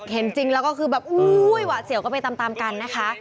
เห็นจริงแล้วก็คือแบบอุ้ยหวะเสี่ยวก็ไปตามกันนะคะ